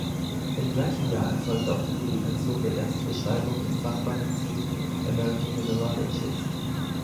Im gleichen Jahr erfolgte auch die Publikation der Erstbeschreibung im Fachmagazin "American Mineralogist".